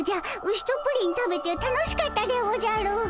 ウシとプリン食べて楽しかったでおじゃる。